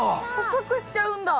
細くしちゃうんだ。